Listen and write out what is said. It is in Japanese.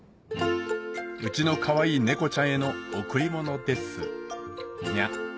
うちのかわいい猫ちゃんへの贈り物です